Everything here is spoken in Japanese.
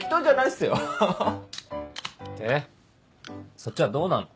そっちはどうなの？